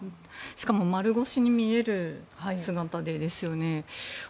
しかも丸腰に見える姿でですよね。